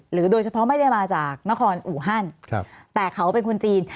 โดยเฉพาะไม่ได้มาจากนครอูฮันแต่เขาเป็นคนจีน